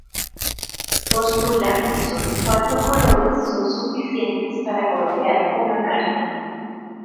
Postula que solo cuatro colores son suficientes para colorear una carta.